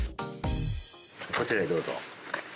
こちらへ、どうぞ。